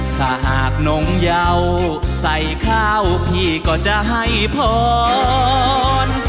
ถ้าหากนงเยาใส่ข้าวพี่ก็จะให้พร